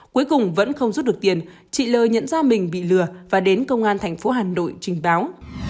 cuối cùng vẫn không rút được tiền chị lờ nhận ra mình bị lừa và đến công an tp hà nội trình báo